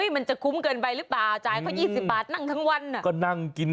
มันจะคุ้มเกินไปหรือเปล่าจ่ายเขา๒๐บาทนั่งทั้งวันก็นั่งกิน